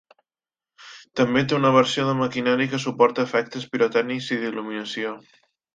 També té una versió de maquinari que suporta efectes pirotècnics i d'il·luminació.